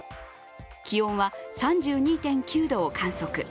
気温は３２．９度を観測。